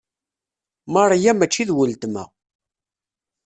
Maria mačči d wultma.